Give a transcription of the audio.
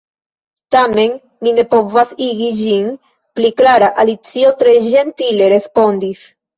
"Tamen mi ne povas igi ĝin pli klara," Alicio tre ĝentile respondis.